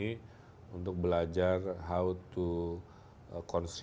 dan kemudian juga kembali ke cianjur